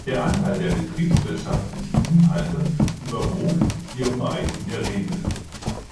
Der Anteil der betriebswirtschaftlichen Inhalte überwog hierbei in der Regel.